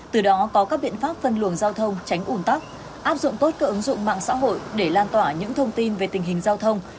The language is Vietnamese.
từ đó có các biện pháp phân luồng giao thông tránh ủn tắc áp dụng tốt các ứng dụng mạng xã hội để lan tỏa những thông tin về tình hình giao thông